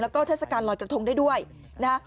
แล้วก็เทศกาลลอยกระทงได้ด้วยนะ